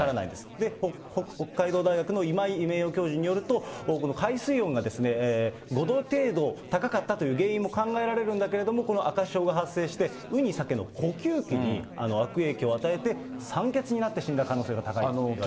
で、北海道大学の今井名誉教授によると、この海水温が５度程度高かったという原因も考えられるんだけど、この赤潮が発生してウニ、サケの呼吸器に悪影響を与えて、酸欠になって死んだ可能性が高いと。